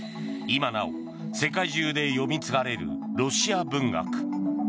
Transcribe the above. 今なお、世界中で読み継がれるロシア文学。